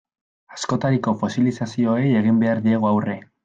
Askotariko fosilizazioei egin behar diegu aurre.